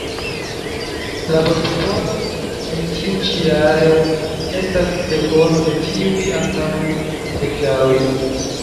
Laborproponoj en tiu ĉi jaro estas dekono de tiuj antaŭ dek jaroj.